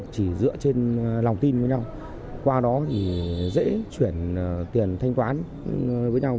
chỉ dựa trên lòng tin với nhau qua đó thì dễ chuyển tiền thanh toán với nhau